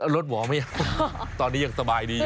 รถหมอไม่เอาตอนนี้ยังสบายดี